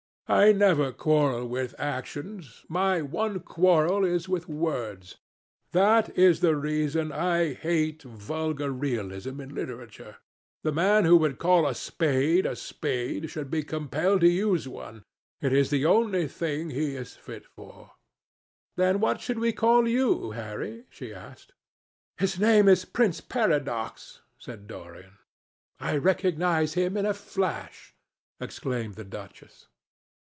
I never quarrel with actions. My one quarrel is with words. That is the reason I hate vulgar realism in literature. The man who could call a spade a spade should be compelled to use one. It is the only thing he is fit for." "Then what should we call you, Harry?" she asked. "His name is Prince Paradox," said Dorian. "I recognize him in a flash," exclaimed the duchess.